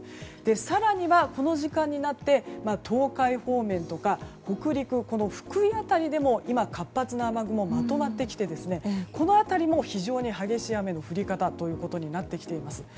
更に、この時間になって東海方面や北陸、福井辺りでも活発な雨雲がまとまってきてこの辺りも非常に激しい雨の降り方になってきています。